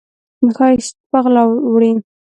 ښایست په غلا وړي